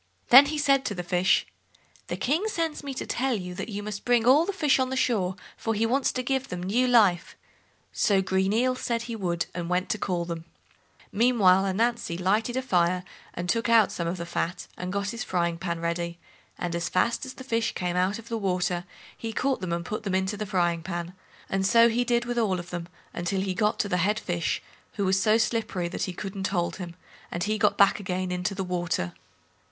Then he said to the fish, "The King sends me to tell you that you must bring all the fish on shore, for he wants to give them new life." So "Green Eel" said he would, and went to call them. Meanwhile Ananzi lighted a fire, and took out some of the fat, and got his frying pan ready, and as fast as the fish came out of the water he caught them and put them into the frying pan, and so he did with all of them until he got to the Head fish, who was so slippery that he couldn't hold him, and he got back again into the water.